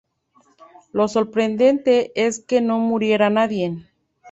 Lo sorprendente es que no muriera nadie.